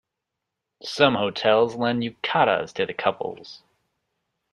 Some hotels lend yukatas to the couples.